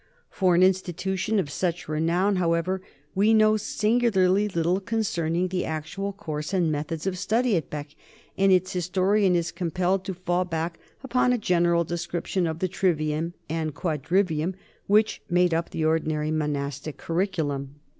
For an institution of such renown, however, we know singularly little concerning the actual course and i;6 NORMANS IN EUROPEAN HISTORY methods of study at Bee, and its historian is compelled to fall back upon a general description of the trivium and quadrivium which made up the ordinary monastic cur riculum.